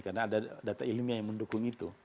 karena ada data ilmiah yang mendukung itu